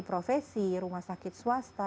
profesi rumah sakit swasta